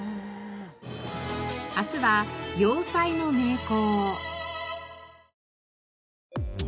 明日は洋裁の名工。